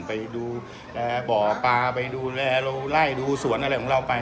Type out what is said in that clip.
ไปดูบ่อปลาไปดูแลเราไล่ดูสวนอะไรของเราไป